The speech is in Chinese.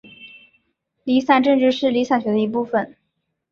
离散政治是离散学的一部份。